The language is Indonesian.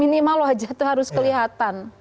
minimal wajah itu harus kelihatan